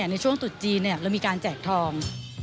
ในช่วงตุดจีนเรามีการแจกทอง